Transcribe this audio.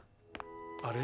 あれ？